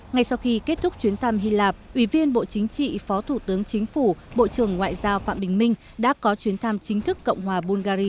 ngay sau khi kết thúc chuyến thăm hy lạp ủy viên bộ chính trị phó thủ tướng chính phủ bộ trưởng ngoại giao phạm bình minh đã có chuyến thăm chính thức cộng hòa bungary